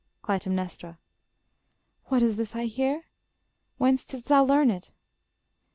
Cly. What is this I hear? Whence didst thou learn it?